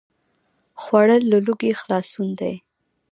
خوړل له لوږې خلاصون دی